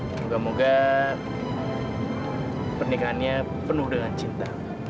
semoga moga pernikahannya penuh dengan cinta